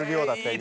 今。